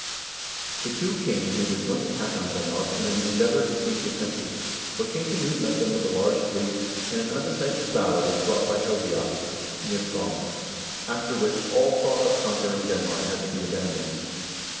The two kings made a joint attack on Denmark in an endeavor to seize the country, but King Knut met them with a large fleet, and an undecisive battle was fought by Helgea, near Skane, after which all thought of conquer ing Denmark had to be abandoned.